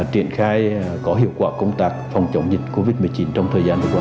triển khai có hiệu quả công tác phòng chống dịch covid một mươi chín trong thời gian vừa qua